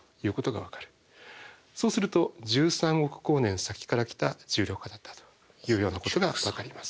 そうすると１３億光年先から来た重力波だったというようなことがわかります。